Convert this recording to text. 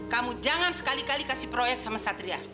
kamu jangan sekali kali kasih proyek sama satria